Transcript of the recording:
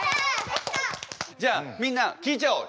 じゃあみんな聞いちゃおう。